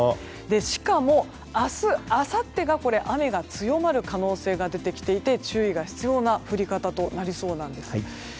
しかも、明日、あさってが雨が強まる可能性が出てきていて注意が必要な降り方となりそうなんです。